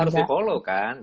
harus di follow kan